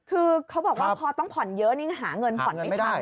คือเขาบอกว่าพอต้องผ่อนเยอะนี่หาเงินผ่อนไม่ทัน